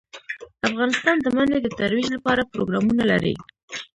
افغانستان د منی د ترویج لپاره پروګرامونه لري.